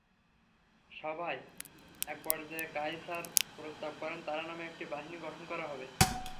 সভার একপর্যায়ে কায়সার প্রস্তাব করেন, তাঁর নামে একটি বাহিনী গঠন করা হবে।